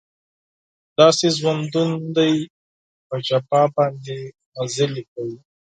داسې ژوندون دی په جفا باندې مزلې کوي